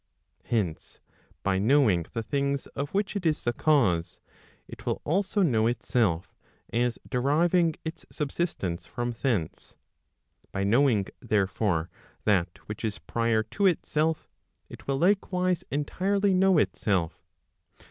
Hence, by knowing the things of which it is the cause, it will also know itself, as deriving its subsistence from thence. By knowing, therefore, that which is prior to itself, it will likewise entirely know itself.